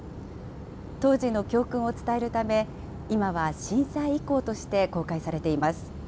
当時の教訓を伝えるため、今は震災遺構として公開されています。